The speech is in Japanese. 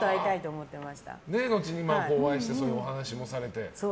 後にお会いしてそういうお話もされて。